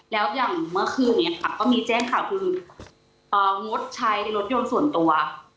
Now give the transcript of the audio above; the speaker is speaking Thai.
แล้วอย่างเมื่อคืนนี้ค่ะก็มีแจ้งข่าวคืองดใช้รถยนต์ส่วนตัว